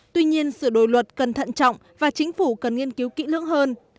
tuy nhiên sửa đổi luật cần thận trọng và chính phủ cần nghiên cứu kỹ lưỡng hơn